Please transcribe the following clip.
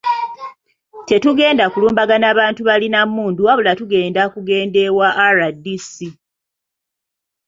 Tetugenda kulumbagana bantu balina mmundu wabula tugenda kugenda ewa RDC